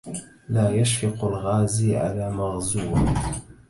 لا يشفق الغازي على مغزوه